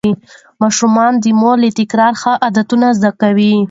ماشوم د مور له تکرار ښه عادتونه زده کوي.